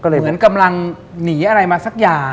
เหมือนกำลังหนีอะไรมาสักอย่าง